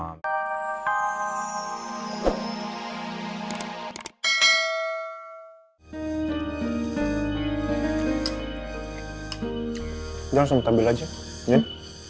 udah langsung minta bil aja din